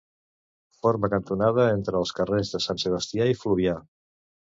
Forma cantonada entre els carrers de Sant Sebastià i Fluvià.